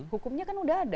hukumnya kan sudah ada